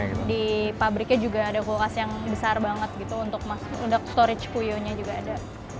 terus di pabriknya juga ada kulkas yang besar banget gitu untuk storage puyonya juga ada